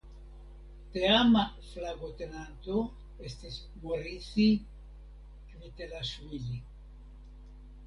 Teama flagotenanto estis "Morisi Kvitelaŝvili".